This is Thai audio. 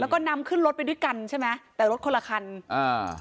แล้วก็นำขึ้นรถไปด้วยกันใช่ไหมแต่รถคนละคันอ่า